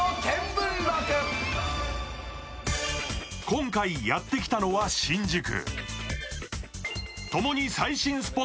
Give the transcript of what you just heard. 今回、やってきたのは新宿。